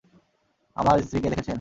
আমার স্ত্রীকে দেখেছেন!